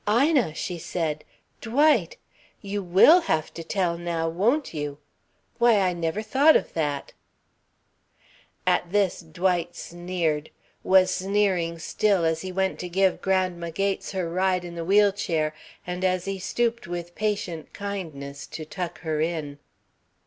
"Ina!" she said. "Dwight! You will have to tell now, won't you? Why I never thought of that." At this Dwight sneered, was sneering still as he went to give Grandma Gates her ride in the wheel chair and as he stooped with patient kindness to tuck her in.